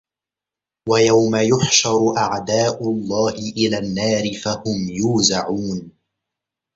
وَيَومَ يُحشَرُ أَعداءُ اللَّهِ إِلَى النّارِ فَهُم يوزَعونَ